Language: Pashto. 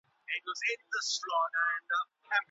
د جرګي غړو به د هیواد د امنیت لپاره طرحي وړاندې کولي.